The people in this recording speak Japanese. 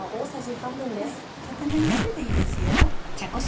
片面だけでいいですよ。